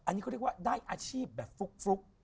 อันนี้เขาเรียกว่าได้อาชีพแบบฟลุก